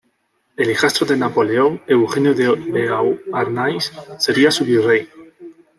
El hijastro de Napoleón, Eugenio de Beauharnais, sería su virrey.